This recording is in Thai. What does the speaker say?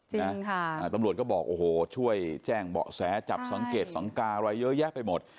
ตำรวจก็บอกโอ้โหช่วยแจ้งเบาะแสจับสังเกตสังกาอะไรเยอะแยะไปหมด